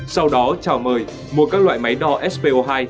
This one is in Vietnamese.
sau đó chào mời mua các loại máy đo spo hai